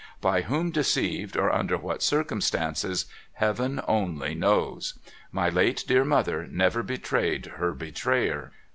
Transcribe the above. By whom deceived, or under what circumstances, Heaven only knows. My late dear mother never betrayed her betrayer.'